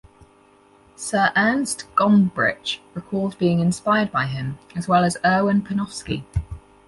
Sir Ernst Gombrich recalled being inspired by him, as well as Erwin Panofsky.